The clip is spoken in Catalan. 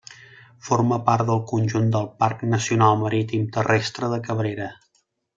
Forma part del conjunt del Parc Nacional Marítim–Terrestre de Cabrera.